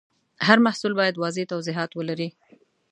هر محصول باید واضح توضیحات ولري.